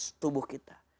mendetoks tubuh kita